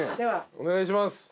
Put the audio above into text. お願いします。